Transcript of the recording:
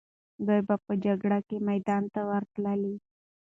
دوی به د جګړې میدان ته ورتللې.